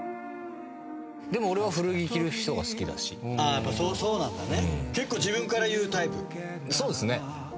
「やっぱそうなんだね。